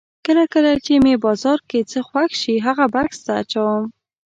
کله کله چې مې بازار کې څه خوښ شي هغه بکس ته اچوم.